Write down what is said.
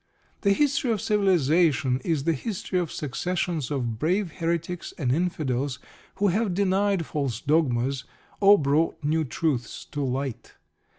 The history of civilisation is the history of successions of brave "Heretics" and "Infidels," who have denied false dogmas or brought new truths to light.